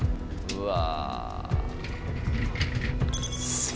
うわ！